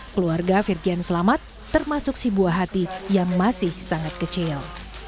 keluarga virgian selamat termasuk si buah hati yang masih sangat kecil